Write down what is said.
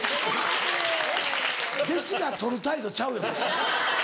弟子が取る態度ちゃうよそれ。